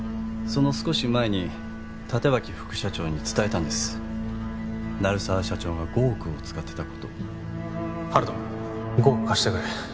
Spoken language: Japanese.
その少し前に立脇副社長に伝えたんです鳴沢社長が５億を使ってたことを温人５億貸してくれ